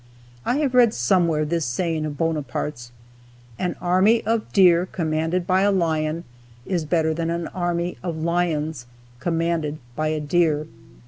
I have read somewhere this saying of Bonaparte's: "An army of deer commanded by a lion is better than an army of lions commanded by a deer."